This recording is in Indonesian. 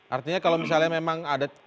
artinya kalau misalnya memang ada